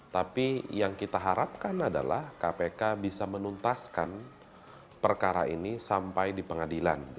tapi yang kita harapkan adalah kpk bisa menuntaskan perkara ini sampai di pengadilan